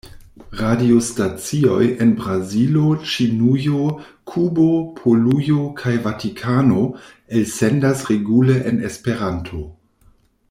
Radiostacioj en Brazilo, Ĉinujo, Kubo, Polujo kaj Vatikano elsendas regule en Esperanto.